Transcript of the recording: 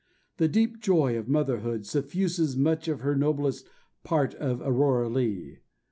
The deep joy of motherhood suffuses much of the noblest part of Aurora Leigh.